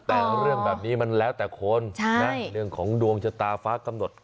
แต่เรื่องแบบนี้มันแล้วแต่คนเรื่องของดวงชะตาฟ้ากำหนด